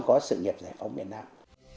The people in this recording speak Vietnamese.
có sự nghiệp giải phóng miền nam